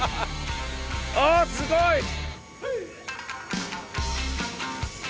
あすごい！